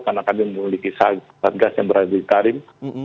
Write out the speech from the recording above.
karena kami memiliki sargas yang berada di tarim